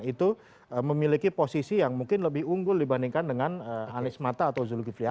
itu memiliki posisi yang mungkin lebih unggul dibandingkan dengan anies mata atau zulkifli